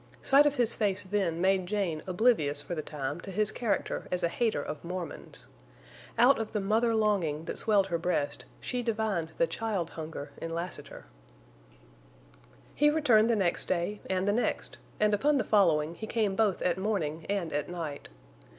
Sight of his face then made Jane oblivious for the time to his character as a hater of Mormons. Out of the mother longing that swelled her breast she divined the child hunger in Lassiter. He returned the next day, and the next; and upon the following he came both at morning and at night.